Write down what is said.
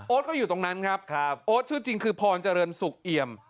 โอ๊ตก็อยู่ตรงนั้นครับโอ๊ตชื่อจริงคือพรเจริญศุกร์เอียม